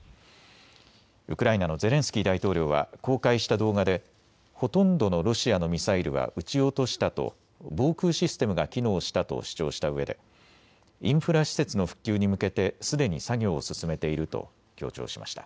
ウクライナのゼレンスキー大統領は公開した動画でほとんどのロシアのミサイルは撃ち落としたと防空システムが機能したと主張したうえでインフラ施設の復旧に向けてすでに作業を進めていると強調しました。